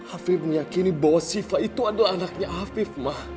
afif meyakini bahwa siva itu adalah anaknya afif ma